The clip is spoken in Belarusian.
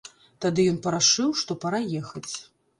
Тады ён парашыў, што пара ехаць.